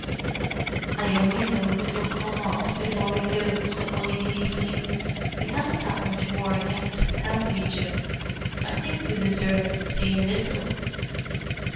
"I only hope it will come off before we go," said Wally gleefully. "We haven't had much war yet, have we, Jim? I think we deserve to see a little."